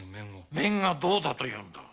面がどうだと言うんだ！？